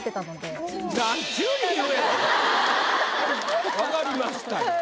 分かりました。